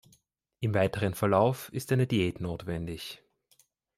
Im weiteren Verlauf ist eine Diät notwendig.